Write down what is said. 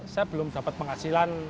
saya belum dapat penghasilan